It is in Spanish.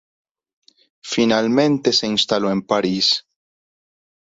Finalmente se instaló en París.